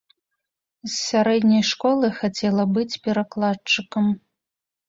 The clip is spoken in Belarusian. З сярэдняй школы хацела быць перакладчыкам.